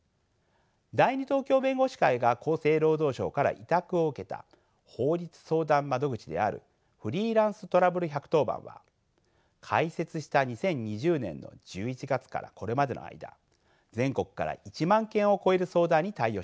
第二東京弁護士会が厚生労働省から委託を受けた法律相談窓口であるフリーランス・トラブル１１０番は開設した２０２０年の１１月からこれまでの間全国から１万件を超える相談に対応してきました。